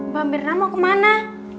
bambirna mau kemana